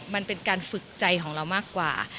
มันเป็นการฝึกใจของเรามากกว่า